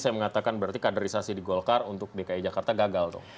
saya mengatakan berarti kaderisasi di golkar untuk dki jakarta gagal tuh